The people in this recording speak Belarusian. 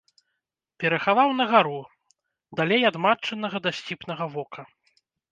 Перахаваў на гару, далей ад матчынага дасціпнага вока.